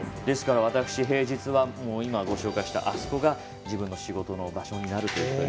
ですから、私平日は紹介した、あそこが自分の仕事の場所になるという。